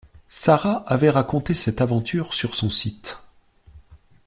Sara avait raconté cette aventure sur son site